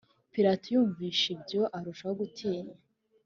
Pilato yumvise ibyo arushaho gutinya